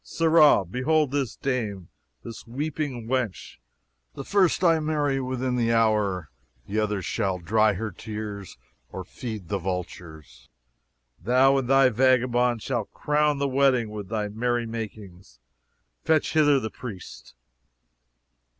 Sirrah, behold this dame, this weeping wench. The first I marry, within the hour; the other shall dry her tears or feed the vultures. Thou and thy vagabonds shall crown the wedding with thy merry makings. Fetch hither the priest!"